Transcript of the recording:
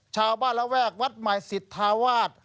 ชาวบ้านและแวกวัดใหม่สิทธาวาส